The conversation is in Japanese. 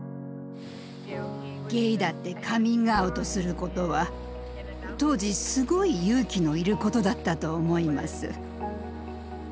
ゲイだってカミングアウトすることは当時すごい勇気のいることだったと思います。